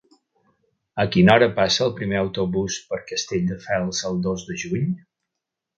A quina hora passa el primer autobús per Castelldefels el dos de juny?